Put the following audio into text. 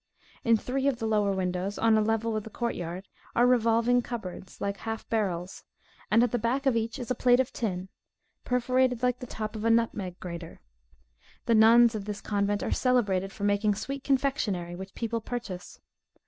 In three of the lower windows, on a level with the court yard, are revolving cupboards, like half barrels, and at the back of each is a plate of tin, perforated like the top of a nutmeg grater. The nuns of this convent are celebrated for making sweet confectionary, which people purchase.